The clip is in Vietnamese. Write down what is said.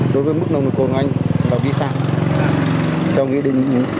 đối với mức nồng độ cồn của anh là vi phạm